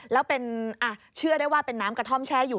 แล้วเชื่อได้ว่าเป็นน้ำกระท่อมแช่อยู่